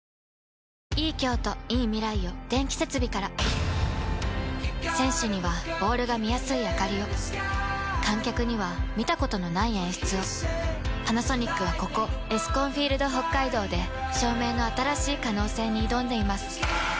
ゴイゴイスー‼選手にはボールが見やすいあかりを観客には見たことのない演出をパナソニックはここエスコンフィールドＨＯＫＫＡＩＤＯで照明の新しい可能性に挑んでいます